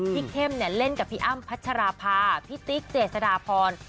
พี่เข้มเล่นกับพี่อ้ำพัชราพาพี่ติ๊กเจสดาพร